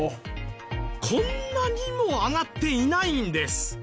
こんなにも上がっていないんです。